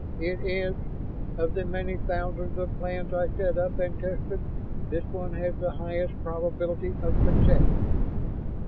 "It is. Of the many thousands of plans I set up and tested, this one has the highest probability of success."